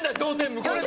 向こうと。